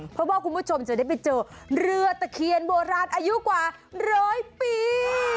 เพราะว่าคุณผู้ชมจะได้ไปเจอเรือตะเคียนโบราณอายุกว่าร้อยปี